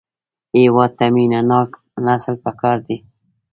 هېواد ته مینهناک نسل پکار دی